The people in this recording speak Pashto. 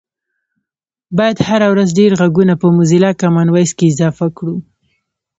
باید هره ورځ ډېر غږونه په موزیلا کامن وایس کې اضافه کړو